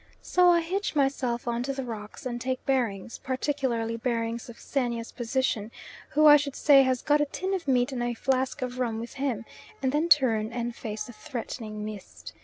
So I hitch myself on to the rocks, and take bearings, particularly bearings of Xenia's position, who, I should say, has got a tin of meat and a flask of rum with him, and then turn and face the threatening mist.